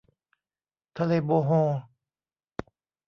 ทะเลโบโฮล